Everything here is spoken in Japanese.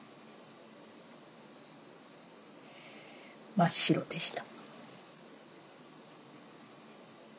真っ白でした。